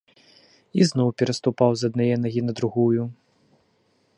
І зноў пераступаў з аднае нагі на другую.